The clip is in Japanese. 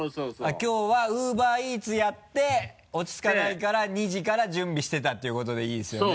きょうはＵｂｅｒＥａｔｓやって落ち着かないから２時から準備してたっていうことでいいですよね？